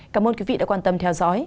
cảm ơn quý vị đã quan tâm theo dõi